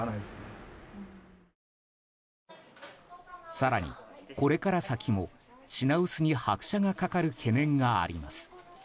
更に、これから先も品薄に拍車がかかる懸念があります。